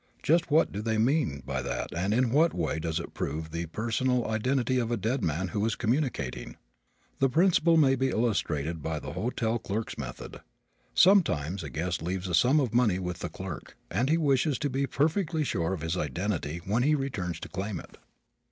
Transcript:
Just what do they mean by that and in what way does it prove the personal identity of a dead man who is communicating? The principle may be illustrated by the hotel clerk's method. Sometimes a guest leaves a sum of money with the clerk, and he wishes to be perfectly sure of his identity when he returns to claim it.